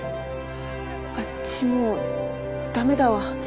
あっちもう駄目だわ。